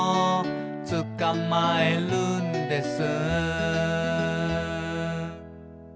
「つかまえるんです」